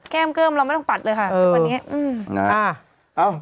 เกิ้มเราไม่ต้องปัดเลยค่ะทุกวันนี้